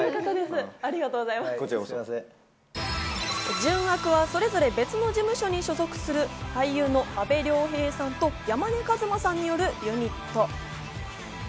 純悪はそれぞれ別の事務所に所属する俳優の阿部亮平さんと山根和馬さんによるユニット。